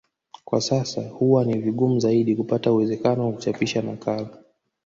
Kwa sasa huwa ni vigumu zaidi kupata uwezekano wa kuchapisha nakala